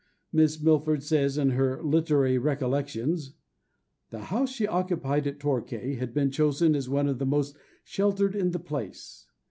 Miss Mitford says in her Literary Recollections: "The house she occupied at Torquay had been chosen as one of the most sheltered in the place.